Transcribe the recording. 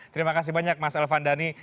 terima kasih banyak mas elvan dhani